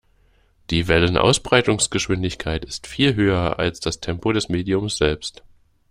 Die Wellenausbreitungsgeschwindigkeit ist viel höher als das Tempo des Mediums selbst.